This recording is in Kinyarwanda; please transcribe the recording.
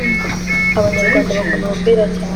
abanyarwanda bakunda umupira cyane